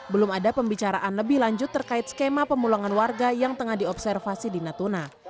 belum ada pembicaraan lebih lanjut terkait skema pemulangan warga yang tengah diobservasi di natuna